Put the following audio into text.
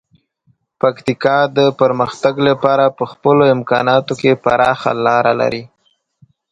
پکتیکا د پرمختګ لپاره په خپلو امکاناتو کې پراخه لاره لري.